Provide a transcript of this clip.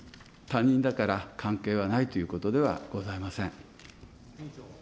他人だから関係はないということではございません。